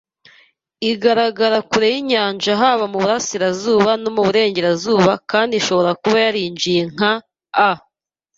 igaragara kure yinyanja haba muburasirazuba no muburengerazuba kandi ishobora kuba yarinjiye nka a